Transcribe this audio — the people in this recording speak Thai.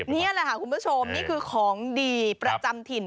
นี่แหละค่ะคุณผู้ชมนี่คือของดีประจำถิ่น